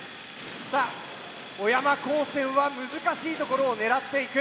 さあ小山高専は難しいところを狙っていく。